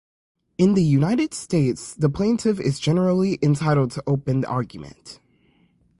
In the United States, the plaintiff is generally entitled to open the argument.